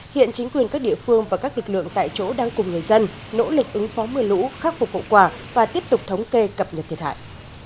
hiện chính quyền các địa phương và các lực lượng tại chỗ đang cùng người dân nỗ lực ứng phó mưa lũ khắc phục hậu quả và tiếp tục thống kê cập nhật thiệt hại